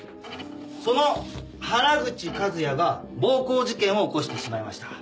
その原口和也が暴行事件を起こしてしまいました。